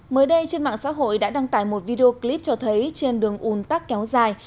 mới đây trên mạng xã hội đã đăng tải một video clip cho thấy trên đường un tắc kéo dài